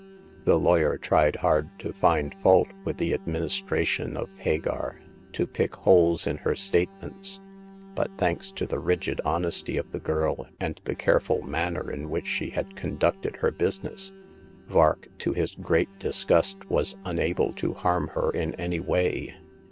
The lawyer tried hard to find fault with the ad ministration of Hagar ; to pick holes in her state ments ; but, thanks to the rigid honesty of the girl, and the careful manner in which she had conducted her business, Vark, to his great dis gust, was unable to harm her in any way.